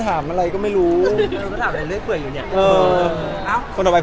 ถ้าไม่ได้เห็นคลิปนี้ก็โฟมเข้าไปด้วย